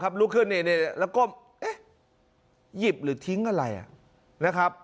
ครับลุกขึ้นเน่แล้วก็เอ๊ะหยิบหรือทิ้งอะไรอ่ะนะครับ